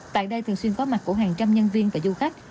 tại đây thường xuyên có mặt của hàng trăm nhân viên và du khách